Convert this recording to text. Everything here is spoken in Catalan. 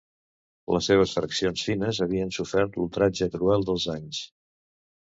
Les seves faccions fines havien sofert l'ultratge cruel dels anys.